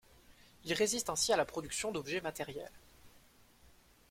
Il résiste ainsi à la production d'objets matériels.